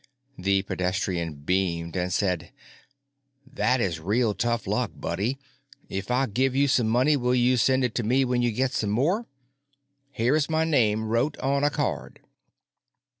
The pedestrian beamed and said, "That is real tough luck, buddy. If I give you some money will you send it to me when you get some more? Here is my name wrote on a card."